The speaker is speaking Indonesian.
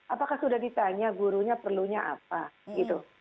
apakah sudah ditanya gurunya perlunya apa gitu